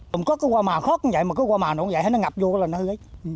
không có cái hoa màu khót như vậy mà cái hoa màu nó cũng vậy nó ngập vô là nó hư ấy